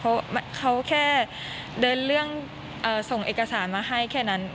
เพราะเขาแค่เดินเรื่องส่งเอกสารมาให้แค่นั้น